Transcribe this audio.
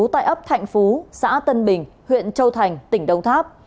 tại ấp thạnh phú xã tân bình huyện châu thành tỉnh đông tháp